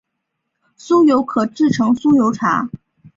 酥油可制成酥油茶。